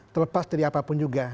terlepas dari apapun juga